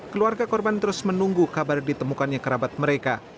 keluarga korban terus menunggu kabar ditemukannya kerabat mereka